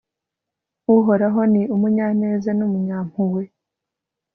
uhoraho ni umunyaneza n'umunyampuhwe